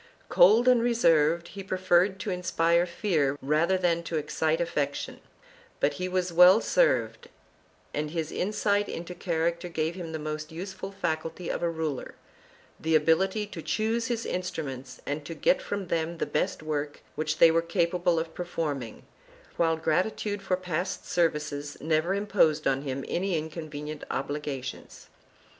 Cold and reserved, he preferred to inspire fear rather than to excite affection, but he was well served and his insight into character gave him the most useful faculty of a ruler, the ability to choose his instruments and to get from them the best work which they were capable of performing, while gratitude for past services never imposed on him any incon venient obligations.